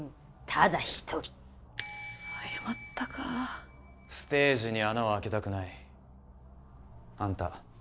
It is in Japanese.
ただ一人早まったかステージに穴を開けたくないあんた